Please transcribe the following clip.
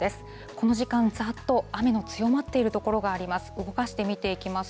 この時間、ざっと雨の強まっている所があります。